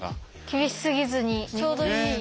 厳しすぎずにちょうどいい。